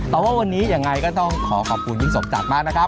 แต่ว่าวันนี้ยังไงก็ต้องขอขอบคุณพี่สมจักรมากนะครับ